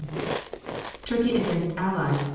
Turkey against Allies, Nov.